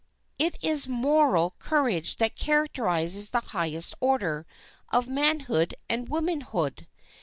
It is moral courage that characterizes the highest order of manhood and womanhood.